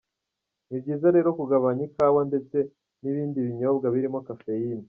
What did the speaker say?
Ni byiza rero kugabanya ikawa ndetse n’ibindi binyobwa birimo cafeine.